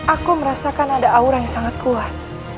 aku merasakan ada aura yang sangat kuat